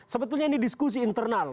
sebetulnya ini diskusi internal